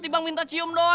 tiba minta cium doang